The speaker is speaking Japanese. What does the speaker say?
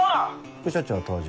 副署長登場。